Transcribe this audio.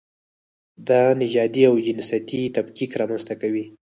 دا نژادي او جنسیتي تفکیک رامنځته کوي.